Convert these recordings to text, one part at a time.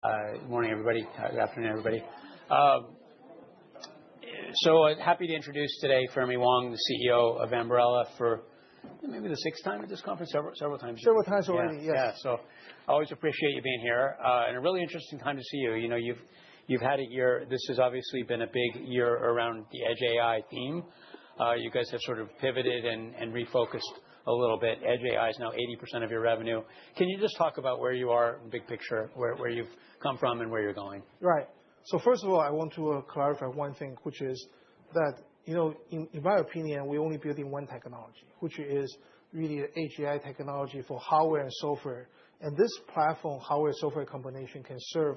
Good morning, everybody. Good afternoon, everybody. So happy to introduce today Fermi Wang, the CEO of Ambarella, for maybe the sixth time at this conference, several times already. Several times already, yes. Yeah. So I always appreciate you being here. And a really interesting time to see you. You've had a year. This has obviously been a big year around the Edge AI theme. You guys have sort of pivoted and refocused a little bit. Edge AI is now 80% of your revenue. Can you just talk about where you are in the big picture, where you've come from, and where you're going? Right. So first of all, I want to clarify one thing, which is that, in my opinion, we're only building one technology, which is really edge AI technology for hardware and software. And this platform, hardware-software combination, can serve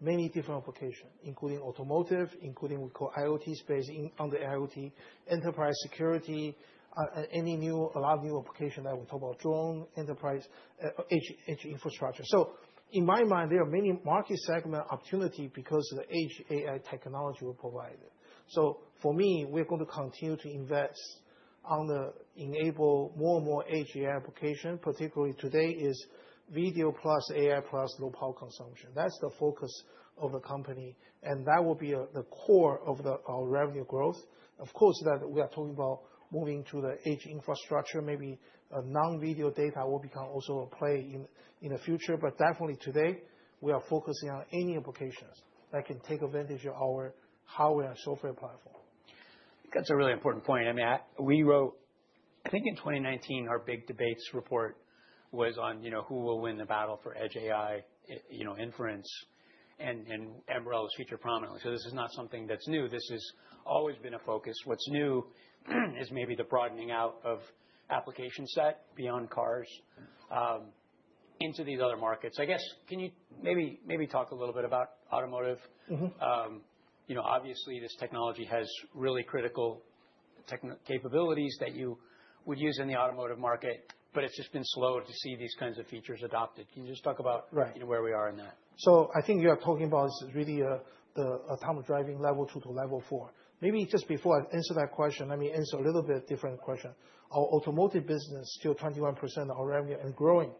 many different applications, including automotive, including what we call IoT space under IoT, enterprise security, and a lot of new applications that we talk about, drone, enterprise, edge infrastructure. So in my mind, there are many market segment opportunities because of the edge AI technology we provide. So for me, we're going to continue to invest on the enable more and more edge AI applications, particularly today is video plus AI plus low power consumption. That's the focus of the company. And that will be the core of our revenue growth. Of course, that we are talking about moving to the edge infrastructure. Maybe non-video data will become also a play in the future. But definitely today, we are focusing on any applications that can take advantage of our hardware and software platform. That's a really important point. I mean, we wrote, I think in 2019, our big debates report was on who will win the battle for edge AI inference and Ambarella features prominently. So this is not something that's new. This has always been a focus. What's new is maybe the broadening out of application set beyond cars into these other markets. I guess, can you maybe talk a little bit about automotive? Obviously, this technology has really critical capabilities that you would use in the automotive market, but it's just been slow to see these kinds of features adopted. Can you just talk about where we are in that? So I think you are talking about really the autonomous driving level two to level four. Maybe just before I answer that question, let me answer a little bit different question. Our automotive business is still 21% of our revenue and growing.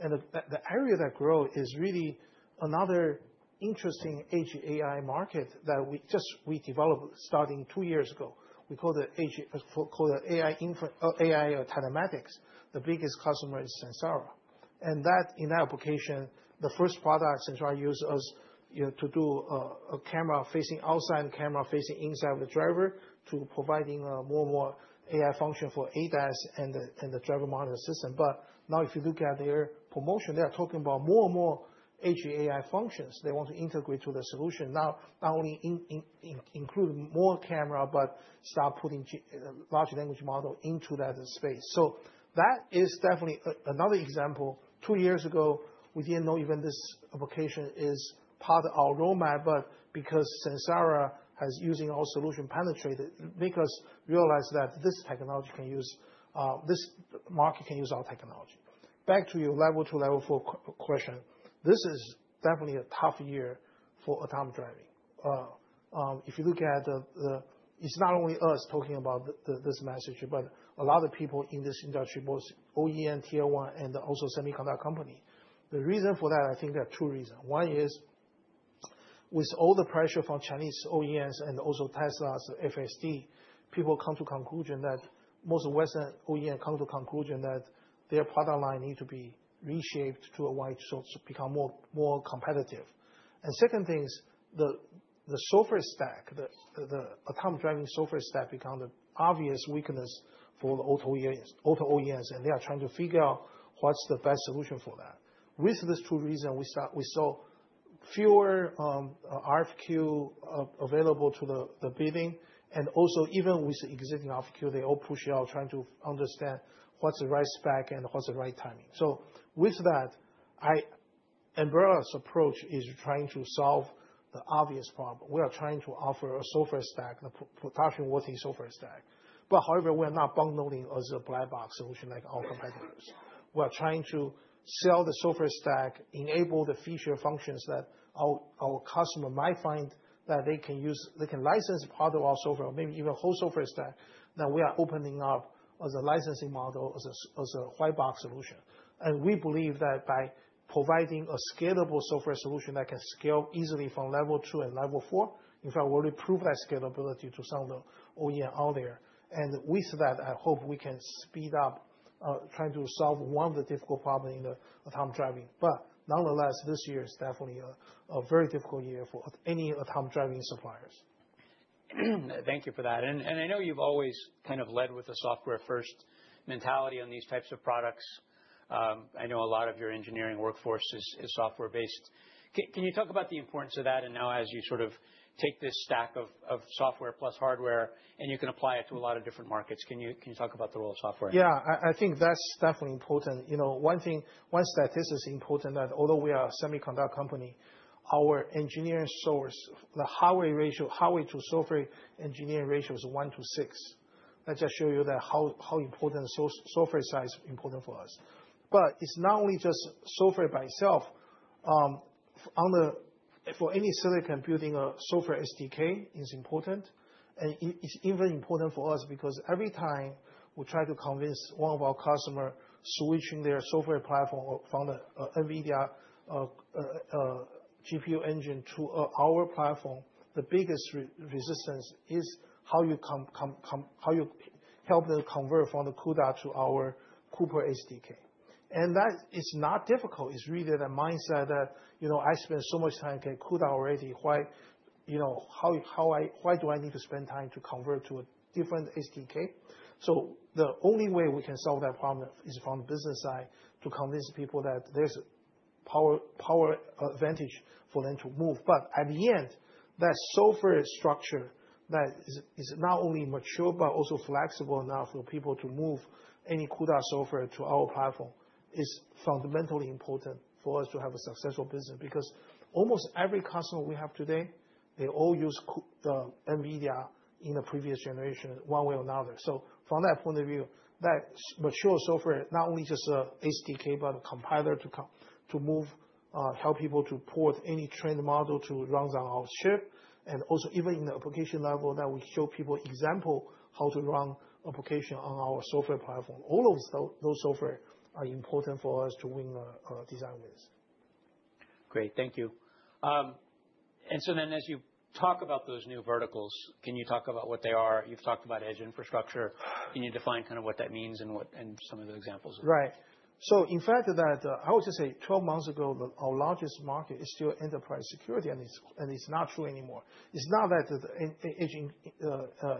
And the area that grows is really another interesting edge AI market that we just developed starting two years ago. We call it AI telematics. The biggest customer is Samsara. And that, in that application, the first product Samsara used us to do a camera facing outside, a camera facing inside with the driver, to providing more and more AI functions for ADAS and the driver monitor system. But now, if you look at their promotion, they are talking about more and more edge AI functions. They want to integrate to the solution, not only include more camera, but start putting large language models into that space. So that is definitely another example. Two years ago, we didn't know even this application is part of our roadmap. But because Samsara is using our solution penetrated, we realized that this technology can use this market can use our technology. Back to your Level 2, Level 4 question, this is definitely a tough year for autonomous driving. If you look at the, it's not only us talking about this message, but a lot of people in this industry, both OEM, Tier 1, and also semiconductor companies. The reason for that, I think there are two reasons. One is, with all the pressure from Chinese OEMs and also Tesla's FSD, people come to the conclusion that most Western OEMs come to the conclusion that their product line needs to be reshaped to a way to become more competitive. Second thing is the software stack, the autonomous driving software stack, has become the obvious weakness for the auto OEMs. They are trying to figure out what's the best solution for that. With these two reasons, we saw fewer RFQs available to the bidding. Also, even with the existing RFQs, they all push out trying to understand what's the right spec and what's the right timing. With that, Ambarella's approach is trying to solve the obvious problem. We are trying to offer a software stack, a production working software stack. However, we are not bottlenecking as a black box solution like our competitors. We are trying to sell the software stack, enable the feature functions that our customer might find that they can use, they can license part of our software, maybe even a whole software stack, that we are opening up as a licensing model, as a white box solution. And we believe that by providing a scalable software solution that can scale easily from level two and level four, in fact, we already proved that scalability to some of the OEMs out there. And with that, I hope we can speed up trying to solve one of the difficult problems in the autonomous driving. But nonetheless, this year is definitely a very difficult year for any autonomous driving suppliers. Thank you for that. And I know you've always kind of led with a software-first mentality on these types of products. I know a lot of your engineering workforce is software-based. Can you talk about the importance of that? And now, as you sort of take this stack of software plus hardware, and you can apply it to a lot of different markets, can you talk about the role of software? Yeah. I think that's definitely important. One statistic is important that although we are a semiconductor company, our engineering resources, the hardware to software engineering ratio is one to six. That just shows you how important software size is important for us. But it's not only just software by itself. For any silicon, building a software SDK is important. And it's even important for us because every time we try to convince one of our customers to switch their software platform from the NVIDIA GPU engine to our platform, the biggest resistance is how you help them convert from the CUDA to our Cooper SDK. And that is not difficult. It's really the mindset that I spend so much time on CUDA already. Why do I need to spend time to convert to a different SDK? So the only way we can solve that problem is from the business side to convince people that there's power advantage for them to move. But at the end, that software structure that is not only mature but also flexible enough for people to move any CUDA software to our platform is fundamentally important for us to have a successful business. Because almost every customer we have today, they all used NVIDIA in the previous generation one way or another. So from that point of view, that mature software, not only just an SDK, but a compiler to move, help people to port any trained model to run on our chip. And also, even in the application level that we show people examples of how to run applications on our software platform. All of those software are important for us to win design wins. Great. Thank you. And so then, as you talk about those new verticals, can you talk about what they are? You've talked about edge infrastructure. Can you define kind of what that means and some of the examples? Right. So in fact, I would just say 12 months ago, our largest market is still enterprise security, and it's not true anymore. It's not that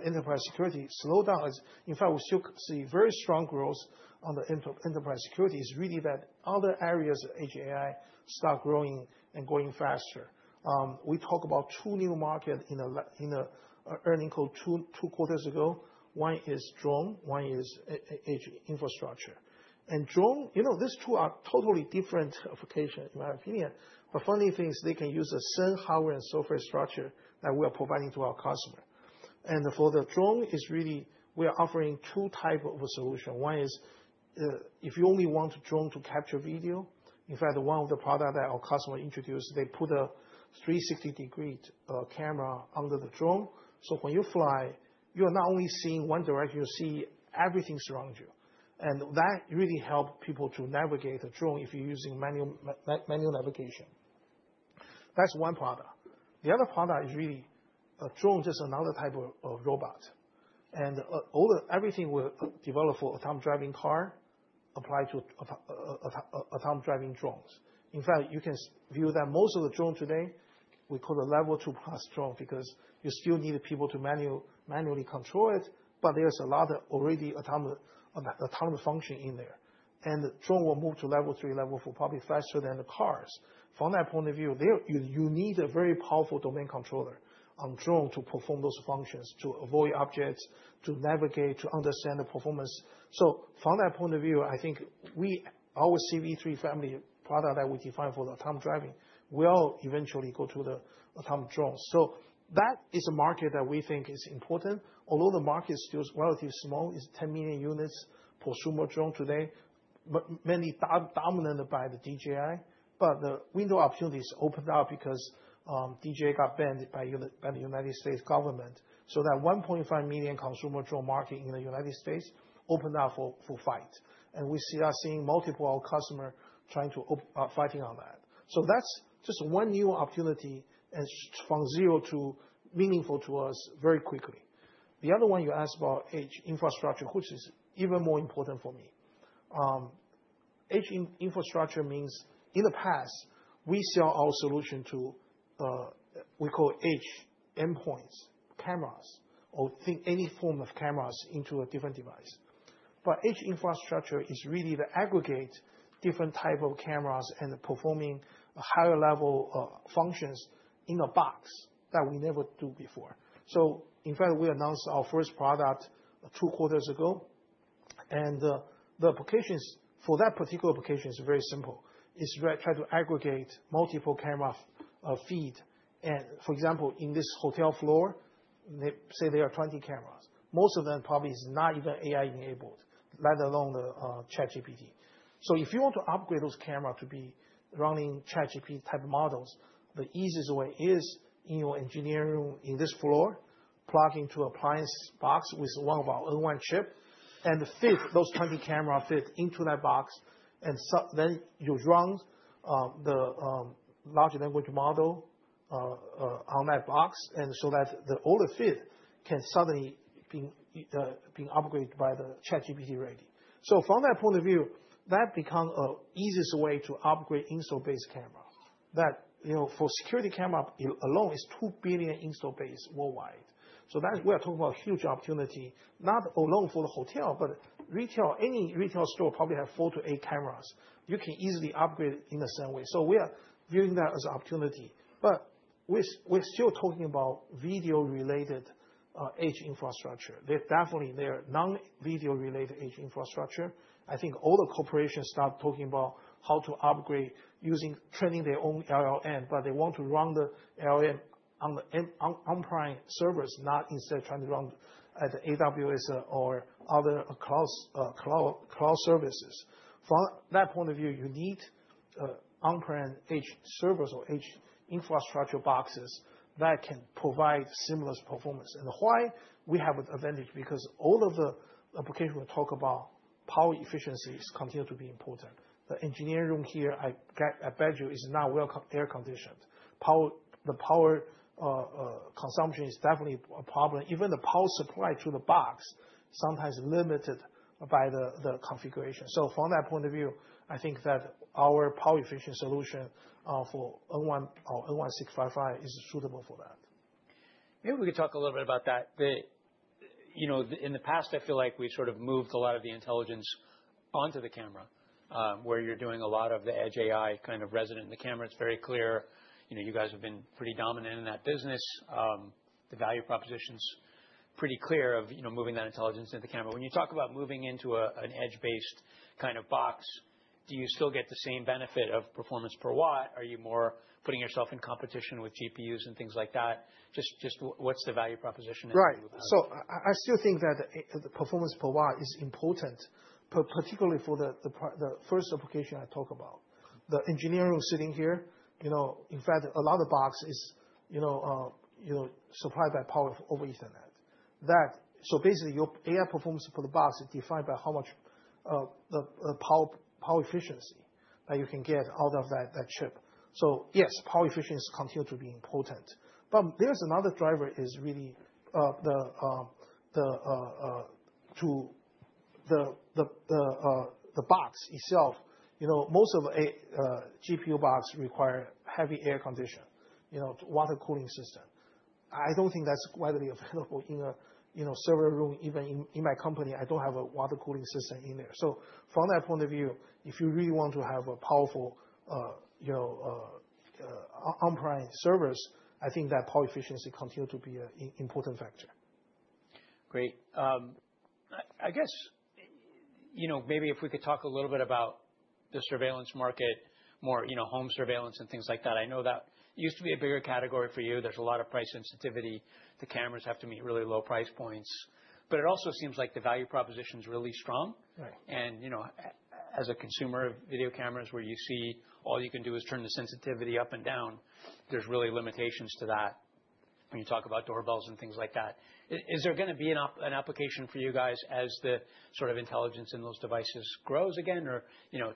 enterprise security slowed down. In fact, we still see very strong growth on the enterprise security. It's really that other areas of edge AI start growing and going faster. We talk about two new markets in earnings call two quarters ago. One is drone, one is edge infrastructure. And drone, these two are totally different applications, in my opinion. But funny thing is they can use the same hardware and software structure that we are providing to our customer. And for the drone, we are offering two types of solutions. One is if you only want a drone to capture video. In fact, one of the products that our customer introduced, they put a 360-degree camera under the drone. So when you fly, you are not only seeing one direction, you see everything surrounding you. And that really helps people to navigate the drone if you're using manual navigation. That's one product. The other product is really a drone, just another type of robot. And everything we develop for autonomous driving car applies to autonomous driving drones. In fact, you can view that most of the drones today, we call the level two plus drone because you still need people to manually control it. But there's a lot of already autonomous functions in there. And the drone will move to level three, level four, probably faster than the cars. From that point of view, you need a very powerful domain controller on drone to perform those functions, to avoid objects, to navigate, to understand the performance. So from that point of view, I think our CV3 family product that we define for the autonomous driving, we'll eventually go to the autonomous drones. So that is a market that we think is important. Although the market is still relatively small, it's 10 million units per consumer drone today, mainly dominated by the DJI. But the window of opportunity has opened up because DJI got banned by the United States government. So that 1.5 million consumer drone market in the United States opened up for fight. And we are seeing multiple customers trying to fight on that. So that's just one new opportunity from zero to meaningful to us very quickly. The other one you asked about edge infrastructure, which is even more important for me. Edge infrastructure means in the past, we sell our solution to what we call edge endpoints, cameras, or any form of cameras into a different device. But edge infrastructure is really the aggregate different types of cameras and performing higher-level functions in a box that we never did before. So in fact, we announced our first product two quarters ago. And the applications for that particular application are very simple. It's trying to aggregate multiple camera feeds. And for example, in this hotel floor, say there are 20 cameras. Most of them probably are not even AI-enabled, let alone the ChatGPT. So if you want to upgrade those cameras to be running ChatGPT-type models, the easiest way is in your engineering room in this floor, plug into an appliance box with one of our N1 chips, and feed those 20 cameras into that box. And then you run the large language model on that box so that the older feed can suddenly be upgraded by the ChatGPT already. So from that point of view, that becomes the easiest way to upgrade installed-base cameras. For security cameras alone, it's 2 billion installed-base worldwide. So we are talking about a huge opportunity, not only for the hotel, but retail. Any retail store probably has four to eight cameras. You can easily upgrade in the same way. So we are viewing that as an opportunity. But we're still talking about video-related edge infrastructure. There's definitely non-video-related edge infrastructure. I think all the corporations start talking about how to upgrade using training their own LLM, but they want to run the LLM on on-prem servers, not instead of trying to run at AWS or other cloud services. From that point of view, you need on-prem edge servers or edge infrastructure boxes that can provide seamless performance. And why we have an advantage? Because all of the applications we talk about, power efficiency continues to be important. The engineering room here, I bet you, is not well air-conditioned. The power consumption is definitely a problem. Even the power supply to the box is sometimes limited by the configuration. So from that point of view, I think that our power-efficient solution for N1655 is suitable for that. Maybe we could talk a little bit about that. In the past, I feel like we've sort of moved a lot of the intelligence onto the camera, where you're doing a lot of the edge AI kind of resident in the camera. It's very clear. You guys have been pretty dominant in that business. The value proposition's pretty clear of moving that intelligence into the camera. When you talk about moving into an edge-based kind of box, do you still get the same benefit of performance per watt? Are you more putting yourself in competition with GPUs and things like that? Just what's the value proposition? Right. So I still think that the performance per watt is important, particularly for the first application I talked about. The engineering room sitting here, in fact, a lot of the box is supplied by Power over Ethernet. So basically, your AI performance for the box is defined by how much power efficiency that you can get out of that chip. So yes, power efficiency continues to be important. But there's another driver, is really the box itself. Most of GPU boxes require heavy air conditioning, water cooling system. I don't think that's widely available in a server room. Even in my company, I don't have a water cooling system in there. So from that point of view, if you really want to have powerful on-prem servers, I think that power efficiency continues to be an important factor. Great. I guess maybe if we could talk a little bit about the surveillance market, more home surveillance and things like that. I know that used to be a bigger category for you. There's a lot of price sensitivity. The cameras have to meet really low price points. But it also seems like the value proposition's really strong. And as a consumer of video cameras, where you see all you can do is turn the sensitivity up and down, there's really limitations to that when you talk about doorbells and things like that. Is there going to be an application for you guys as the sort of intelligence in those devices grows again? Or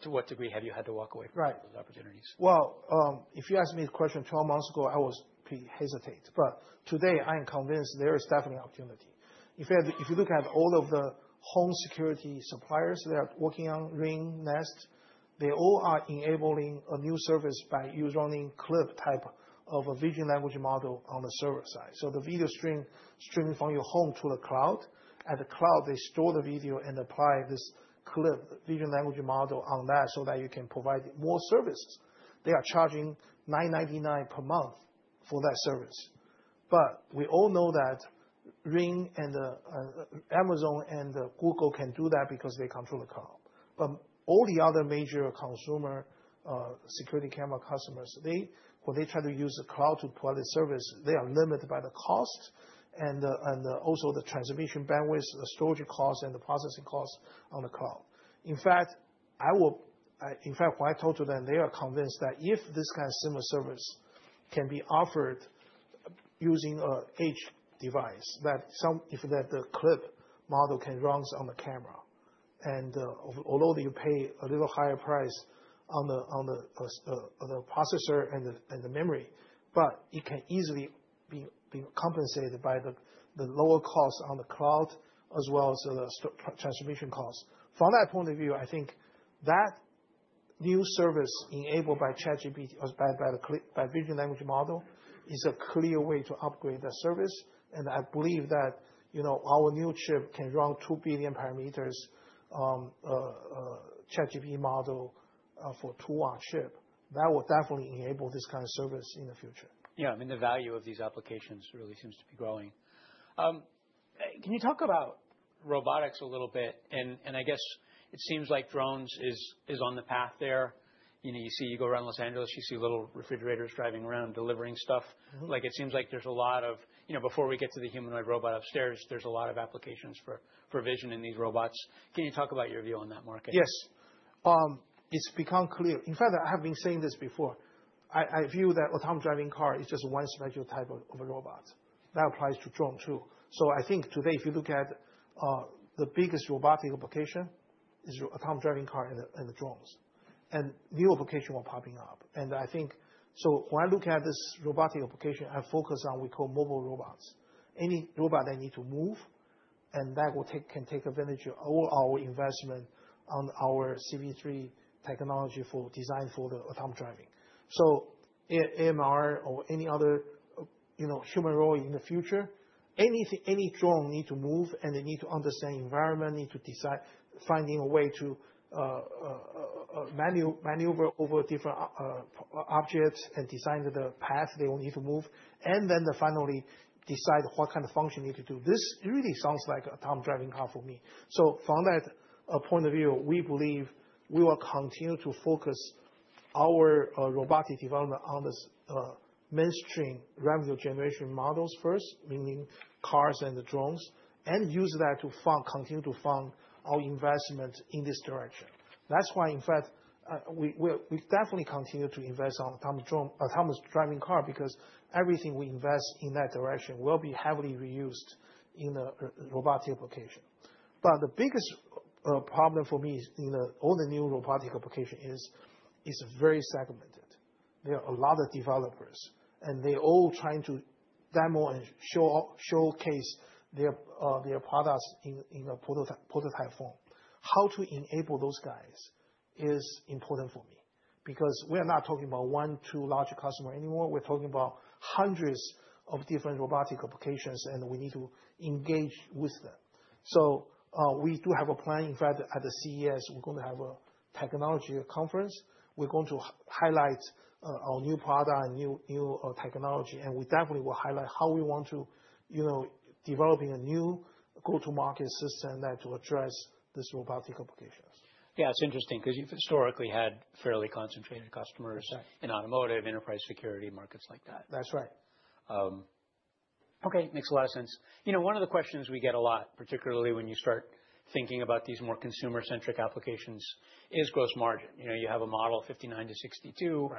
to what degree have you had to walk away from those opportunities? Right. If you ask me the question 12 months ago, I would hesitate. Today, I am convinced there is definitely an opportunity. If you look at all of the home security suppliers that are working on Ring, Nest, they all are enabling a new service by running CLIP type of a vision language model on the server side. The video streaming from your home to the cloud. At the cloud, they store the video and apply this CLIP, vision language model, on that so that you can provide more services. They are charging $9.99 per month for that service. We all know that Ring and Amazon and Google can do that because they control the cloud. But all the other major consumer security camera customers, when they try to use the cloud to provide the service, they are limited by the cost and also the transmission bandwidth, the storage cost, and the processing cost on the cloud. In fact, when I talk to them, they are convinced that if this kind of similar service can be offered using an edge device, that the CLIP model can run on the camera. And although you pay a little higher price on the processor and the memory, it can easily be compensated by the lower cost on the cloud as well as the transmission cost. From that point of view, I think that new service enabled by vision language model is a clear way to upgrade that service. And I believe that our new chip can run 2 billion parameters ChatGPT model for a 2-watt chip. That will definitely enable this kind of service in the future. Yeah. I mean, the value of these applications really seems to be growing. Can you talk about robotics a little bit? And I guess it seems like drones are on the path there. You see, you go around Los Angeles. You see little refrigerators driving around delivering stuff. It seems like there's a lot of before we get to the humanoid robot upstairs. There's a lot of applications for vision in these robots. Can you talk about your view on that market? Yes. It's become clear. In fact, I have been saying this before. I view that autonomous driving car is just one special type of robot. That applies to drones too, so I think today, if you look at the biggest robotic application, it's autonomous driving cars and drones, and new applications are popping up, and so when I look at this robotic application, I focus on what we call mobile robots. Any robot that needs to move, and that can take advantage of all our investment on our CV3 technology designed for autonomous driving, so AMR or any other humanoid robot in the future, any drone needs to move, and they need to understand the environment, need to find a way to maneuver over different objects and design the path they will need to move, and then finally decide what kind of function they need to do. This really sounds like an autonomous driving car for me. So from that point of view, we believe we will continue to focus our robotic development on the mainstream revenue-generation models first, meaning cars and drones, and use that to continue to fund our investment in this direction. That's why, in fact, we definitely continue to invest in autonomous driving cars because everything we invest in that direction will be heavily reused in the robotic application. But the biggest problem for me in all the new robotic applications is it's very segmented. There are a lot of developers, and they're all trying to demo and showcase their products in a prototype form. How to enable those guys is important for me because we are not talking about one or two large customers anymore. We're talking about hundreds of different robotic applications, and we need to engage with them. So we do have a plan. In fact, at the CES, we're going to have a technology conference. We're going to highlight our new product and new technology. And we definitely will highlight how we want to develop a new go-to-market system that addresses these robotic applications. Yeah. It's interesting because you've historically had fairly concentrated customers in automotive, enterprise security, markets like that. That's right. Okay. Makes a lot of sense. One of the questions we get a lot, particularly when you start thinking about these more consumer-centric applications, is gross margin. You have a model of 59%-62%.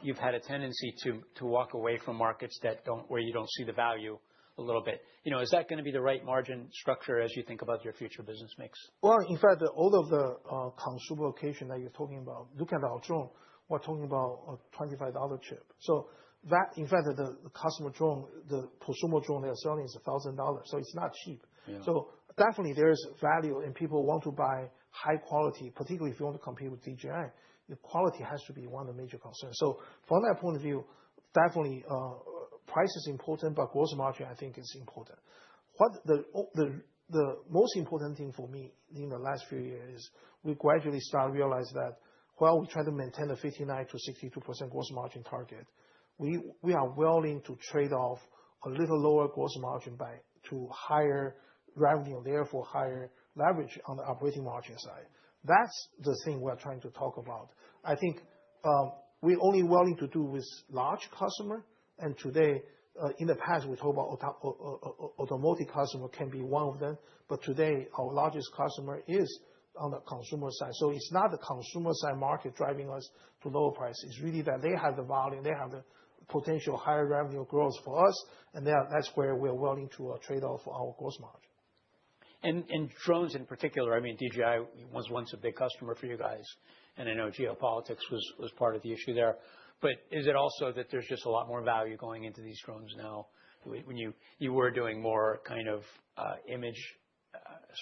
You've had a tendency to walk away from markets where you don't see the value a little bit. Is that going to be the right margin structure as you think about your future business mix? In fact, all of the consumer applications that you're talking about, looking at our drone, we're talking about a $25 chip. So that, in fact, the customer drone, the consumer drone they are selling is $1,000. So it's not cheap. So definitely, there is value, and people want to buy high quality, particularly if you want to compete with DJI. The quality has to be one of the major concerns. So from that point of view, definitely, price is important, but gross margin, I think, is important. The most important thing for me in the last few years is we gradually started to realize that while we try to maintain the 59% to 62% gross margin target, we are willing to trade off a little lower gross margin to higher revenue, therefore higher leverage on the operating margin side. That's the thing we're trying to talk about. I think we're only willing to do with large customers. And today, in the past, we talked about automotive customers can be one of them. But today, our largest customer is on the consumer side. So it's not the consumer-side market driving us to lower prices. It's really that they have the volume. They have the potential higher revenue growth for us. And that's where we're willing to trade off our gross margin. And drones in particular, I mean, DJI was once a big customer for you guys. And I know geopolitics was part of the issue there. But is it also that there's just a lot more value going into these drones now? When you were doing more kind of image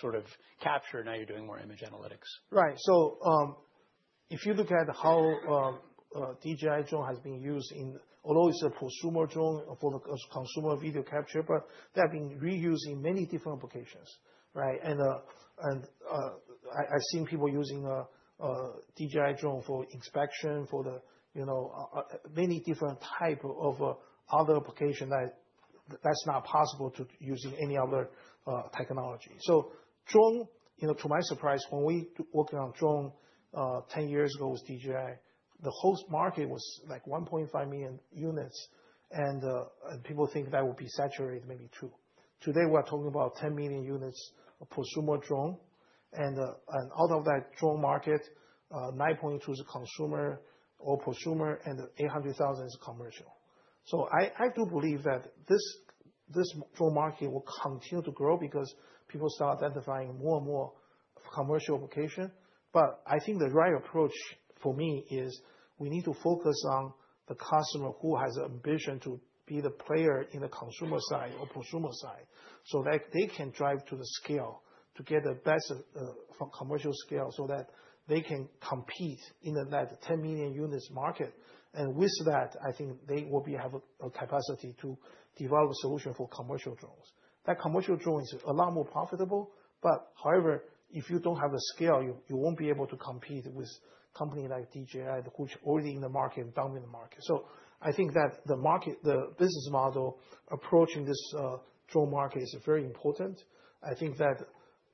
sort of capture, now you're doing more image analytics. Right. So if you look at how DJI drone has been used, although it's a consumer drone for the consumer video capture, but they have been reused in many different applications. And I've seen people using DJI drone for inspection, for many different types of other applications that's not possible to use in any other technology. So drone, to my surprise, when we were working on drone 10 years ago with DJI, the whole market was like 1.5 million units. And people think that would be saturated, maybe two. Today, we're talking about 10 million units of consumer drone. And out of that drone market, 9.2 is consumer or prosumer, and 800,000 is commercial. So I do believe that this drone market will continue to grow because people start identifying more and more commercial applications. But I think the right approach for me is we need to focus on the customer who has the ambition to be the player in the consumer side or prosumer side so that they can drive to the scale to get the best commercial scale so that they can compete in that 10 million units market. And with that, I think they will have a capacity to develop a solution for commercial drones. That commercial drone is a lot more profitable. But however, if you don't have the scale, you won't be able to compete with a company like DJI, which is already in the market and dominating the market. So I think that the business model approaching this drone market is very important. I think that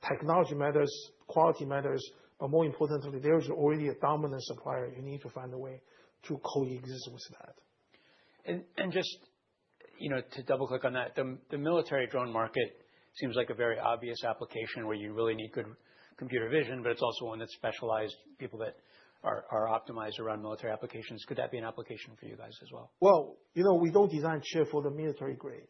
technology matters, quality matters. But more importantly, there is already a dominant supplier. You need to find a way to coexist with that. Just to double-click on that, the military drone market seems like a very obvious application where you really need good computer vision, but it's also one that's specialized, people that are optimized around military applications. Could that be an application for you guys as well? We don't design chips for the military-grade.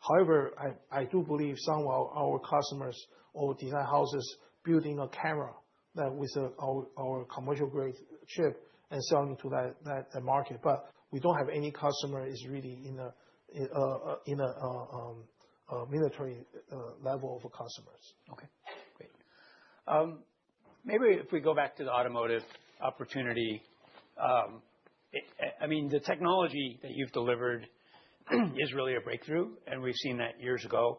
However, I do believe some of our customers or design houses are building a camera with our commercial-grade chip and selling to that market. But we don't have any customers really in the military level of customers. Okay. Great. Maybe if we go back to the automotive opportunity, I mean, the technology that you've delivered is really a breakthrough. And we've seen that years ago.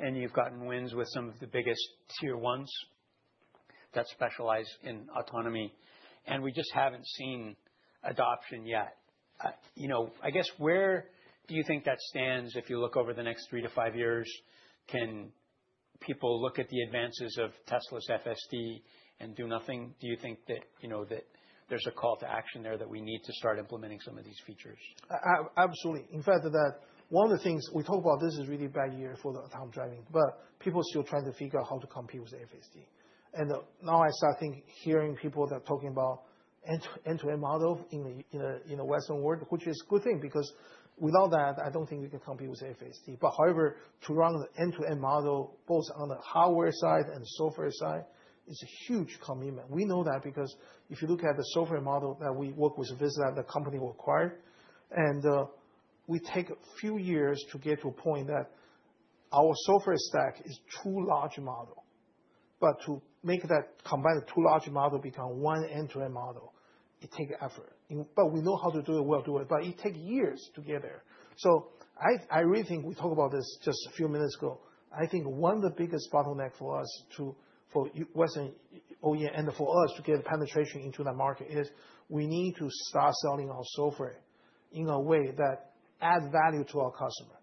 And you've gotten wins with some of the biggest Tier 1s that specialize in autonomy. And we just haven't seen adoption yet. I guess where do you think that stands if you look over the next three to five years? Can people look at the advances of Tesla's FSD and do nothing? Do you think that there's a call to action there that we need to start implementing some of these features? Absolutely. In fact, one of the things we talk about is this really bad year for autonomous driving, but people are still trying to figure out how to compete with FSD, and now I start hearing people talking about end-to-end models in the Western world, which is a good thing because without that, I don't think you can compete with FSD, but however, to run the end-to-end model, both on the hardware side and the software side, is a huge commitment. We know that because if you look at the software model that we work with, this is the model that the company will acquire, and we take a few years to get to a point that our software stack is two large models, but to combine the two large models to become one end-to-end model, it takes effort, but we know how to do it. We'll do it. But it takes years to get there. So I really think we talked about this just a few minutes ago. I think one of the biggest bottlenecks for us, for Western OEM, and for us to get penetration into that market is we need to start selling our software in a way that adds value to our customers.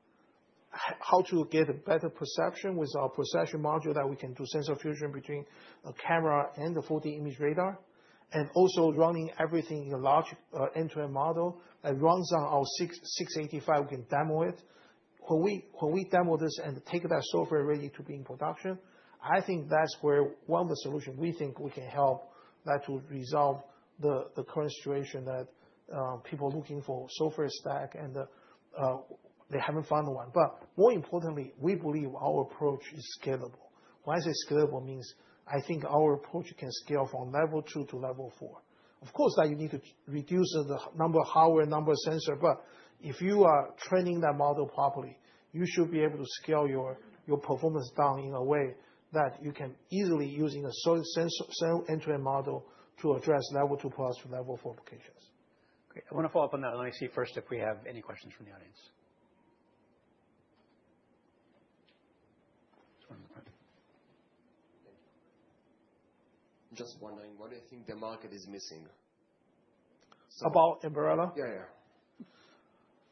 How to get a better perception with our processing module that we can do sensor fusion between a camera and the 4D image radar, and also running everything in a large end-to-end model that runs on our 685. We can demo it. When we demo this and take that software ready to be in production, I think that's where one of the solutions we think we can help that to resolve the current situation that people are looking for a software stack, and they haven't found one. But more importantly, we believe our approach is scalable. When I say scalable, it means I think our approach can scale from Level 2 to Level 4. Of course, you need to reduce the number of hardware, number of sensors. But if you are training that model properly, you should be able to scale your performance down in a way that you can easily use a single end-to-end model to address Level 2 plus to Level 4 applications. Great. I want to follow up on that. Let me see first if we have any questions from the audience. Just wondering what do you think the market is missing? About Ambarella? Yeah,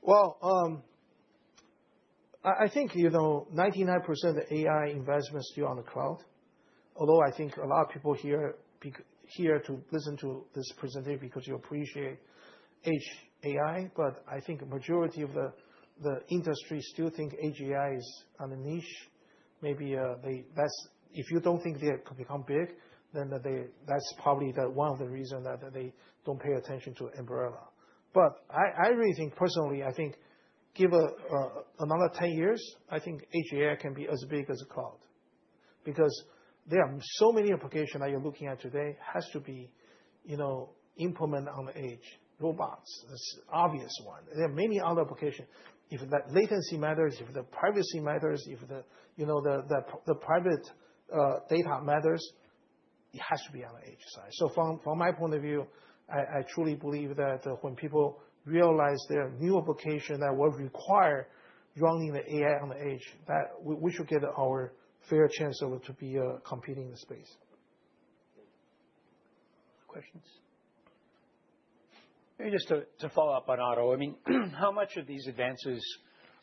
yeah. I think 99% of the AI investment is still on the cloud. Although I think a lot of people here to listen to this presentation because you appreciate Edge AI, but I think the majority of the industry still think Edge AI is on a niche. Maybe if you don't think they can become big, then that's probably one of the reasons that they don't pay attention to Ambarella. But I really think personally, I think give another 10 years, I think Edge AI can be as big as the cloud because there are so many applications that you're looking at today that have to be implemented on the edge. Robots, that's an obvious one. There are many other applications. If that latency matters, if the privacy matters, if the private data matters, it has to be on the edge side. So from my point of view, I truly believe that when people realize there are new applications that will require running the AI on the edge, that we should get our fair chance to be competing in the space. Questions? Maybe just to follow up on auto. I mean, how much of these advances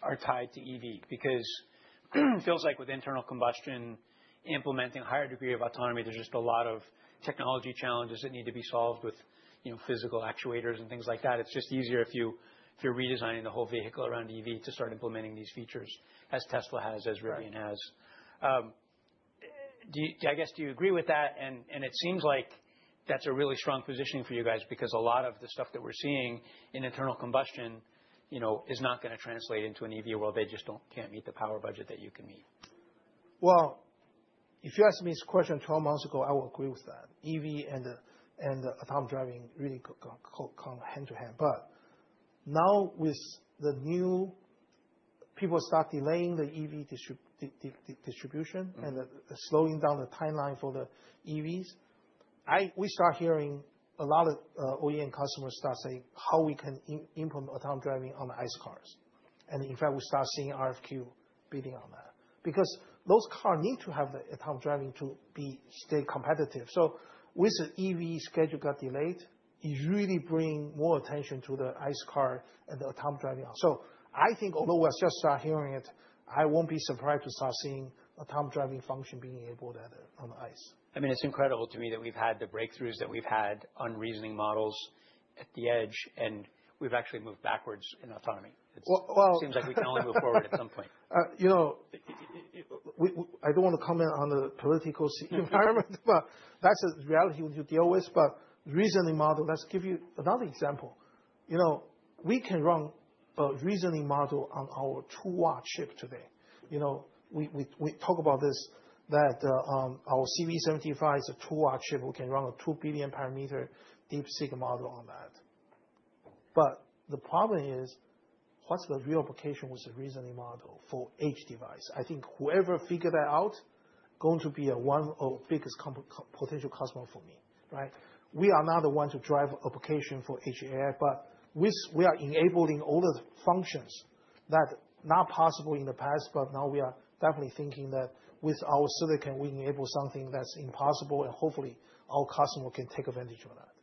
are tied to EV? Because it feels like with internal combustion, implementing a higher degree of autonomy, there is just a lot of technology challenges that need to be solved with physical actuators and things like that. It is just easier if you are redesigning the whole vehicle around EV to start implementing these features, as Tesla has, as Rivian has. I guess do you agree with that? It seems like that is a really strong positioning for you guys because a lot of the stuff that we are seeing in internal combustion is not going to translate into an EV where they just cannot meet the power budget that you can meet. If you asked me this question 12 months ago, I would agree with that. EV and autonomous driving really go hand in hand. Now with the new people start delaying the EV distribution and slowing down the timeline for the EVs, we start hearing a lot of OEM customers start saying how we can implement autonomous driving on the ICE cars. In fact, we start seeing RFQ bidding on that because those cars need to have the autonomous driving to stay competitive. With the EV schedule got delayed, it really brings more attention to the ICE car and the autonomous driving. I think although we'll just start hearing it, I won't be surprised to start seeing autonomous driving function being enabled on the ICE. I mean, it's incredible to me that we've had the breakthroughs that we've had on reasoning models at the edge, and we've actually moved backwards in autonomy. It seems like we can only move forward at some point. I don't want to comment on the political environment, but that's a reality we need to deal with. But reasoning model, let's give you another example. We can run a reasoning model on our 2W chip today. We talk about this, that our CV75 is a 2-W chip. We can run a 2 billion parameter DeepSeek model on that. But the problem is, what's the real application with the reasoning model for each device? I think whoever figured that out is going to be one of the biggest potential customers for me. We are not the one to drive application for AGI, but we are enabling all the functions that are not possible in the past. But now we are definitely thinking that with our silicon, we enable something that's impossible. And hopefully, our customers can take advantage of that.